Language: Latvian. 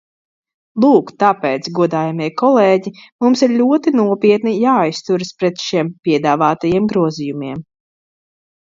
Lūk, tāpēc, godājamie kolēģi, mums ir ļoti nopietni jāizturas pret šiem piedāvātajiem grozījumiem.